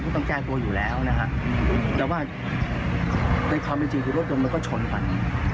ก็ต้องแก้ตัวอยู่แล้วนะฮะแต่ว่าในความจริงคือรถดมมันก็ชนกว่านี้